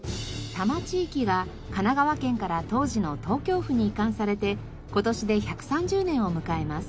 多摩地域が神奈川県から当時の東京府に移管されて今年で１３０年を迎えます。